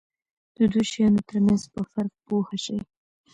د دوو شیانو ترمنځ په فرق پوه شي.